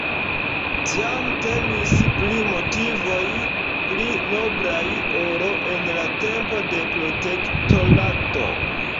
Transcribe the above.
Tiam temis pri motivoj pli noblaj ol en la tempo de Protektorato.